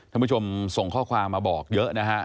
ท่านผู้ชมส่งข้อความมาบอกเยอะนะฮะ